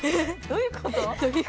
どういうこと？